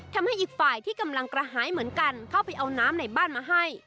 ทำให้อีกฝ่ายที่กำลังกระหายเหมือนกันเข้าไปเอาน้ำในบ้านมาให้